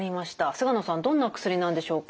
菅野さんどんな薬なんでしょうか？